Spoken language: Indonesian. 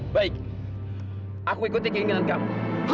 baik aku ikuti keinginan kamu